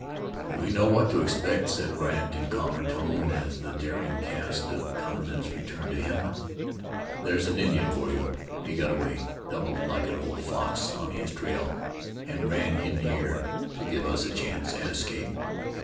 "We know what to expect," said Brandt in calmer tone as the daring cast of countenance returned to him. "There's an Indian for you! He got away, doubled like an old fox on his trail, and ran in here to give us a chance at escape.